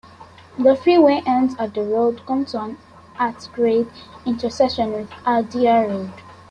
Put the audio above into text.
The freeway ends as the road comes to an at-grade intersection with Adair Road.